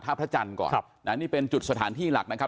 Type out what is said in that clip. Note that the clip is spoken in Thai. ท่าพระจันทร์ก่อนนี่เป็นจุดสถานที่หลักนะครับ